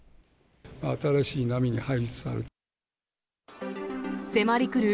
新しい波に入りつつある。